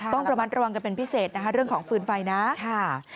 ต้องระมัดระวังกันเป็นพิเศษนะคะเรื่องของฟืนไฟนะค่ะ